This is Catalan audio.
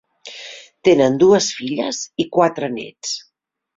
Tenen dues filles i quatre nets.